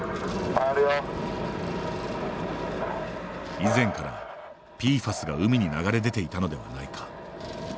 以前からＰＦＡＳが海に流れ出ていたのではないか。